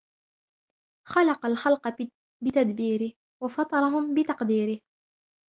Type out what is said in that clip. خَلَقَ الْخَلْقَ بِتَدْبِيرِهِ وَفَطَرَهُمْ بِتَقْدِيرِهِ